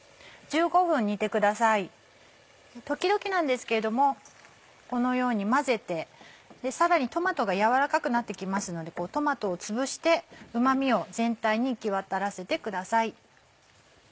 時々なんですけれどもこのように混ぜてさらにトマトがやわらかくなってきますのでこうトマトをつぶしてうまみを全体に行き渡らせてください。